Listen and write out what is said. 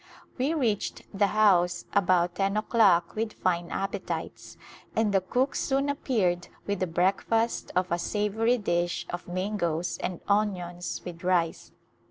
We reached the house about ten o'clock with fine appetites and the cook soon appeared with a breakfast of a savory dish of mangoes and onions with rice.